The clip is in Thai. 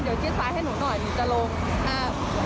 หนูรู้สึกว่๋ว่าหนูไม่โอเคกับเสียงที่เขาสู้